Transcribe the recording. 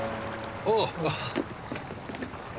ああ。